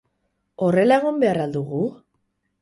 Horrela egon behar al dugu?